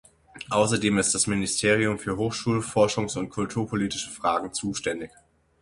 Außerdem ist das Ministerium für hochschul-, forschungs- und kulturpolitische Fragen zuständig.